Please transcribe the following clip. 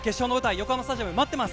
横浜スタジアム待っています。